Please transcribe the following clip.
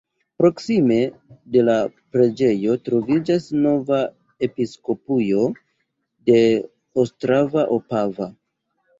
Proksime de la preĝejo troviĝas nova episkopujo de Ostrava-Opava.